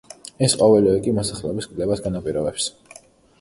ეს ყოველივე კი მოსახლეობის კლებას განაპირობებს.